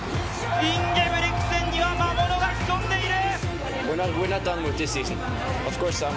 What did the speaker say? インゲブリクセンには魔物が潜んでいる！